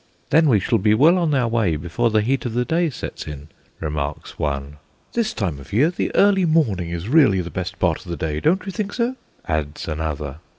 "Then we shall be well on our way before the heat of the day sets in," remarks one. "This time of the year, the early morning is really the best part of the day. Don't you think so?" adds another.